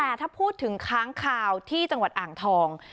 แต่ถ้าพูดถึงค้างคาวที่จังหวัดอ่างทอง